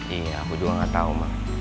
iya aku juga gak tau mbak